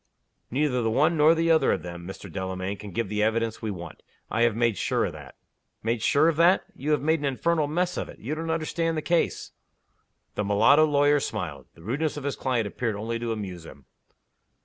"Neither the one nor the other of them, Mr. Delamayn, can give the evidence we want. I have made sure of that." "Made sure of that? You have made an infernal mess of it! You don't understand the case!" The mulatto lawyer smiled. The rudeness of his client appeared only to amuse him.